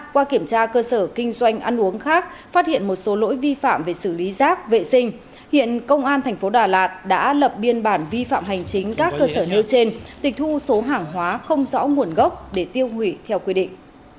qua kiểm tra cơ sở kinh doanh ăn uống khác phát hiện một số lỗi vi phạm về xử lý rác vệ sinh hiện công an thành phố đà lạt đã lập biên bản vi phạm hành chính các cơ sở nêu trên tịch thu số hàng hóa không rõ nguồn gốc để tiêu hủy theo quy định